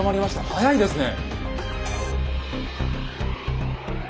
早いですね。